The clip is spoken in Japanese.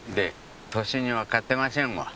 年には勝てませんわ。